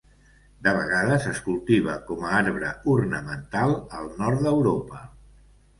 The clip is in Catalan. De vegades es cultiva com a arbre ornamental al nord d'Europa.